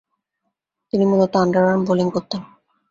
তিনি মূলতঃ underarm bowling করতেন।